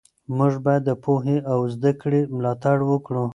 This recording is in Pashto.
موږ باید د پوهې او زده کړې ملاتړ وکړو.